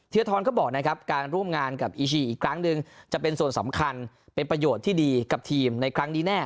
ธรก็บอกนะครับการร่วมงานกับอีชีอีกครั้งหนึ่งจะเป็นส่วนสำคัญเป็นประโยชน์ที่ดีกับทีมในครั้งนี้แน่